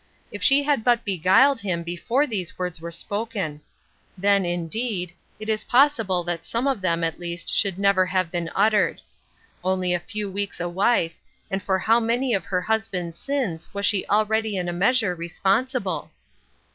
If she had but beguiled him before these words wore spoken ! Then, indeed, it is 396 Ruth Ersklne's Crosses, possible that some of tliem at least would nerer have been uttered. Only a few weeks a wife, and for how many of her husband's sins was she already in a measure responsible